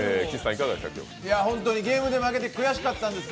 ゲームで負けて悔しかったんですよ。